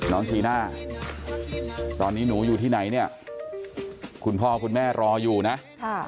จีน่าตอนนี้หนูอยู่ที่ไหนเนี่ยคุณพ่อคุณแม่รออยู่นะค่ะ